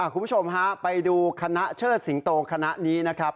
คุณผู้ชมฮะไปดูคณะเชิดสิงโตคณะนี้นะครับ